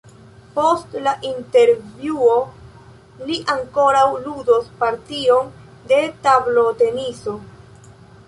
Post la intervjuo li ankoraŭ ludos partion de tabloteniso.